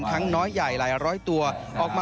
สวัสดีครับทุกคน